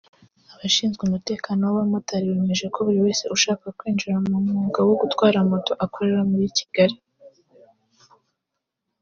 Abashinzwe umutekano w’abamotari bemeje ko buri wese ushaka kwinjira mu mwuga wo gutwara moto akorera muri Kigali